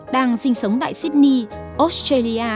đang sinh sống tại sydney australia